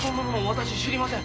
私は知りません。